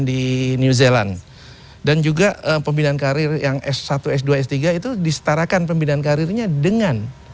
di new zealand dan juga pembinaan karir yang s satu s dua s tiga itu disetarakan pembinaan karirnya dengan